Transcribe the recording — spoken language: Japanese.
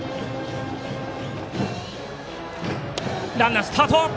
ランナー、スタート！